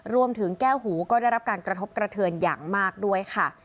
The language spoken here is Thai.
รวมถึงแก้วหูก็ได้รับการกระทบกระเทือนอย่างมากด้วยค่ะ